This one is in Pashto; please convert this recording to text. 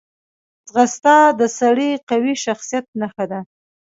ځغاسته د سړي قوي شخصیت نښه ده